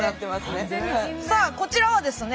さあこちらはですね